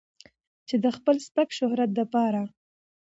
چې د خپل سپک شهرت د پاره